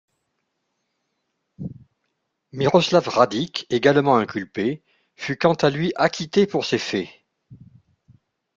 Miroslav Radić, également inculpé, fut, quant à lui, acquitté pour ces faits.